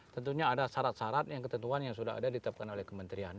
tentunya ada syarat syarat yang ketentuan yang sudah ada ditetapkan oleh kementerian